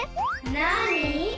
なに？